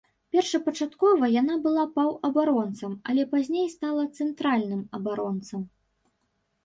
Першапачаткова яна была паўабаронцам, але пазней стала цэнтральным абаронцам.